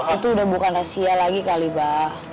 itu udah bukan rahasia lagi kali abah